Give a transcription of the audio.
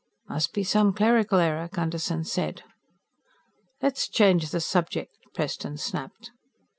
"Must be some clerical error," Gunderson said. "Let's change the subject," Preston snapped.